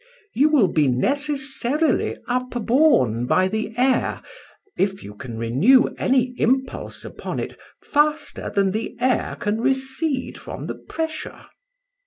You will be necessarily up borne by the air if you can renew any impulse upon it faster than the air can recede from the pressure."